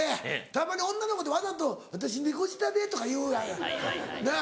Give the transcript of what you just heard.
たまに女の子でわざと「私猫舌で」とか言うなっ。